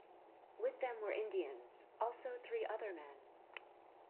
With them were Indians, also three other men.